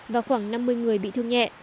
và khoảng năm mươi người bị thương nhẹ